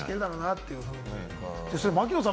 槙野さん